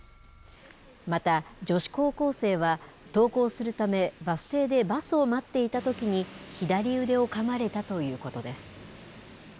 また、女子高校生は登校するためバス停でバスを待っていたときに左腕をかまれたということです。